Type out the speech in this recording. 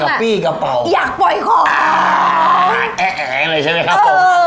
กะปี้กระเป๋าอยากปล่อยของอ่าแอ๊ะแอ๊ะเลยใช่ไหมครับผมเออ